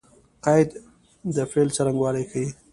قید د فعل څرنګوالی ښيي.